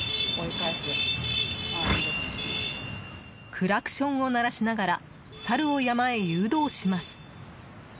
クラクションを鳴らしながらサルを山へ誘導します。